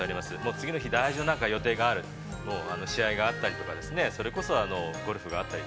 次の日大事な予定がある、試合があったりとか、それこそゴルフがあったり。